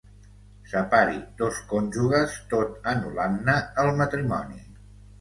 Separi dos cònjuges tot anul·lant-ne el matrimoni.